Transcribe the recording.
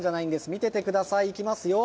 見ててください、いきますよ。